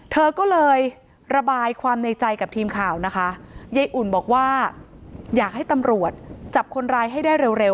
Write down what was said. เธอก็เลยระบายความในใจกับทีมข่าวนะคะยายอุ่นบอกว่าอยากให้ตำรวจจับคนร้ายให้ได้เร็ว